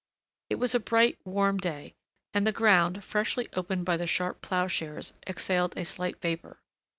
It was a blight, warm day, and the ground, freshly opened by the sharp ploughshares, exhaled a slight vapor.